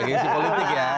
gengsi politik ya